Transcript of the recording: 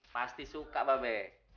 pasti suka babe